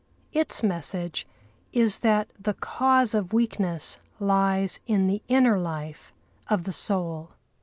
Its message is that the cause of weakness lies in the inner life of the soul.